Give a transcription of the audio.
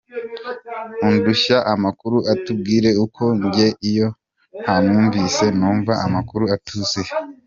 Undusha amakuru atubwire kuko njye iyo ntamwumvise numva amakuru atuzuye!